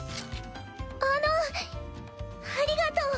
あのありがとう！